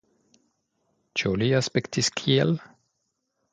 Ĉu li aspektis kiel !